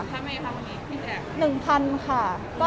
ที่ถุงทำไมคะวันนี้พี่แท็ก